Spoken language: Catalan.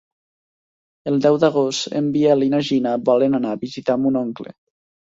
El deu d'agost en Biel i na Gina volen anar a visitar mon oncle.